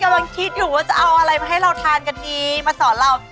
กำลังคิดอยู่ว่าจะเอาอะไรมาให้เราทานกันดีมาสอนเรา